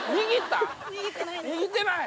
握ってない？